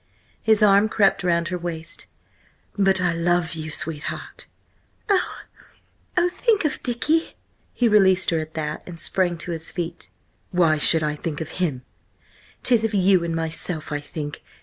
His arm crept round her waist. "But I love you, sweetheart!" "Oh! Oh! Think of Dicky!" He released her at that, and sprang to his feet. "Why should I think of him? 'Tis of you and myself I think!